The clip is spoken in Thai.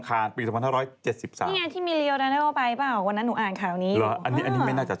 เค้าบอกปฐานราชวิตดีบรามาอบารักษ์